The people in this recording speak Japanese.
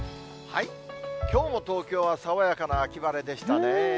きょうも東京は爽やかな秋晴れでしたね。